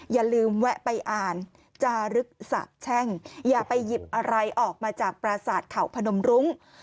อย่าลืมแวะไปอ่านจารึกสาบแช่งอย่าไปหยิบอะไรออกมาจากปราศาสตร์เขาพนมรุ้ง